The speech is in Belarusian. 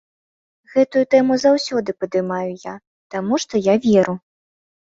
Гэтую тэму заўсёды падымаю я, таму што я веру.